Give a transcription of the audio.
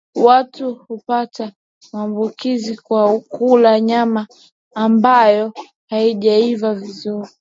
Watu hupata maambukizi kwa kula nyama ambayo haijaiva vizuri